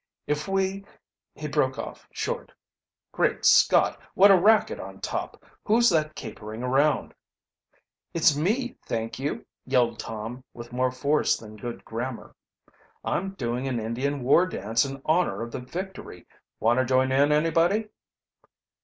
"If we " He broke off short. "Great Scott, what a racket on top! Who's that capering around?" "It's me, thank you!" yelled Tom, with more force than good grammar. "I'm doing an Indian war dance in honor of the victory. Want to join in, anybody?"